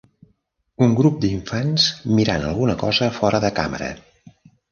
Un grup d'infants mirant alguna cosa fora de càmera.